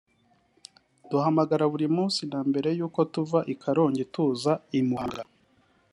duhamagara buri munsi na mbere y’uko tuva i Karongi tuza i Muhanga